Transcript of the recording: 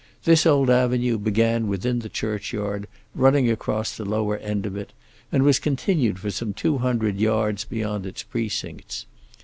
This old avenue began within the churchyard, running across the lower end of it, and was continued for some two hundred yards beyond its precincts.